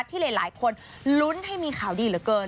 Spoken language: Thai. ที่หลายคนลุ้นให้มีข่าวดีเหลือเกิน